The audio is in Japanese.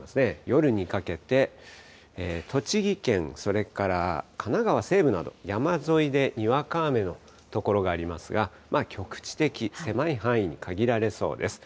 夜にかけて、栃木県、それから神奈川西部など、山沿いでにわか雨の所がありますが、局地的、狭い範囲に限られそうです。